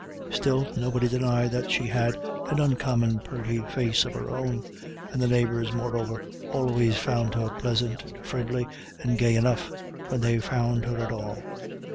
Still, nobody denied that she had "an uncommon purty face of her own," and the neighbours, moreover, always found her "plisant and frindly and gay enough," when they found her at all.